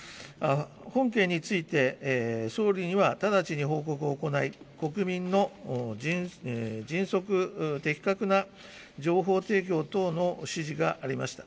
本件について総理には直ちに報告を行い、国民の迅速、的確な情報提供等の指示がありました。